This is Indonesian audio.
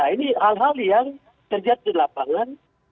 ini hal hal yang terjadi di lapangan